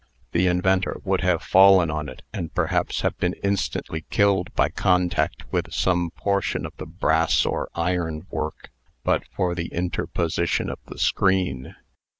The inventor would have fallen on it, and perhaps have been instantly killed by contact with some portion of the brass or iron work, but for the interposition of the screen.